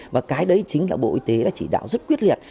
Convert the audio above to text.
và cái đấy chính là bộ y tế đã chỉ đạo rất quyết liệt